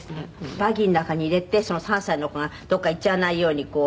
「バギーの中に入れてその３歳の子がどこか行っちゃわないようにこう」